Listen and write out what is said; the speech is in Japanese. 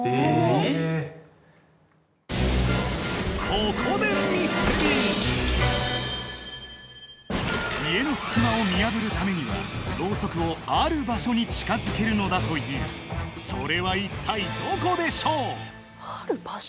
ここでミステリー家の隙間を見破るためにはロウソクをある場所に近づけるのだというそれは一体どこでしょうある場所？